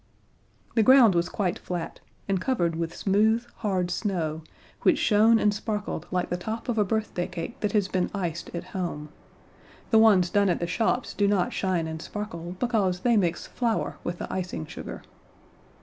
The ground was quite flat, and covered with smooth, hard snow, which shone and sparkled like the top of a birthday cake that has been iced at home. The ones done at the shops do not shine and sparkle, because they mix flour with the icing sugar.